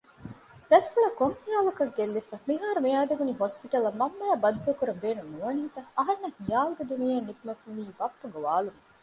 ދަރިފުޅާ ކޮންހިޔާލަކަށް ގެއްލިފަ! މިހާރުމިއާދެވުނީ ހޮސްޕިޓަލަށް މަންމައާއި ބައްދަލުކުރަން ބޭނުންނުވަނީތަ؟ އަހަންނަށް ހިޔާލުގެ ދުނިޔެއިން ނިކުމެވުނީ ބައްޕަ ގޮވާލުމުން